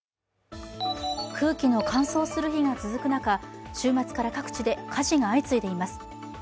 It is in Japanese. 空気の乾燥する日が続く中、週末から各地で火事が相次いでいます。